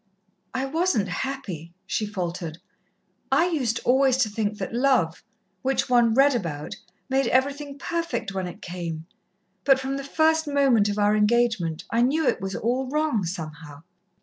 "I wasn't happy," she faltered. "I used always to think that love, which one read about, made everything perfect when it came but from the first moment of our engagement I knew it was all wrong somehow."